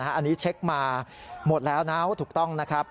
อันนี้เช็คมาหมดแล้วนะว่าถูกต้องนะครับ